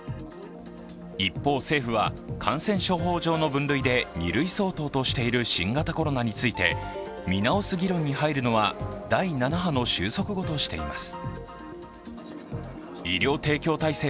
一方、政府は感染症方上の分類で２類相当としている新型コロナについて、見直す議論に入るのは第７波の収束後としています。